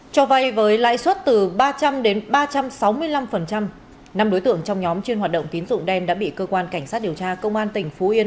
cho vay với lãi suất từ ba trăm linh đến ba trăm sáu mươi năm năm đối tượng trong nhóm chuyên hoạt động tín dụng đen đã bị cơ quan cảnh sát điều tra công an tỉnh phú yên